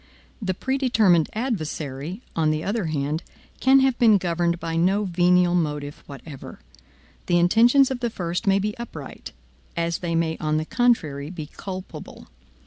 The predetermined adversary, on the other hand, can have been governed by no venial motive whatever. The intentions of the first may be upright, as they may on the contrary be culpable.